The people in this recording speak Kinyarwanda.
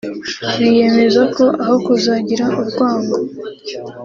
biyemeza ko aho kuzagira urwango